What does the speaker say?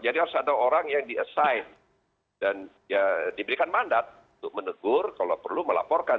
jadi harus ada orang yang di assign dan diberikan mandat untuk menegur kalau perlu melaporkan